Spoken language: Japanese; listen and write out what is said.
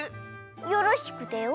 よろしくてよ。